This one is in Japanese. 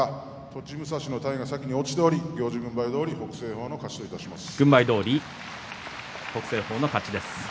栃武蔵の体が先に落ちており軍配どおり北青鵬の勝ちといたします。